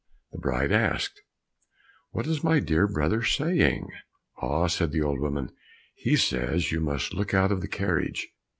The bride asked, "What is my dear brother saying?" "Ah," said the old woman, "he says you must look out of the carriage."